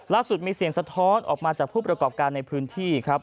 มีเสียงสะท้อนออกมาจากผู้ประกอบการในพื้นที่ครับ